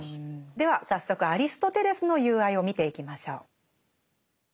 では早速アリストテレスの「友愛」を見ていきましょう。